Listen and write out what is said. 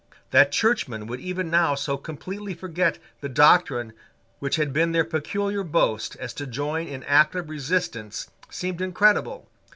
That Churchmen would even now so completely forget the doctrine which had been their peculiar boast as to join in active resistance seemed incredible.